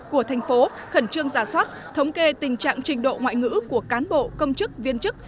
của thành phố khẩn trương giả soát thống kê tình trạng trình độ ngoại ngữ của cán bộ công chức viên chức